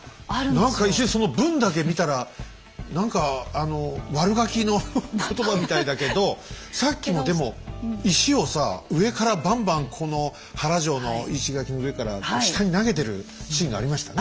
何か一瞬その文だけ見たら何か悪ガキの言葉みたいだけどさっきもでも石をさあ上からバンバンこの原城の石垣の上から下に投げてるシーンがありましたね。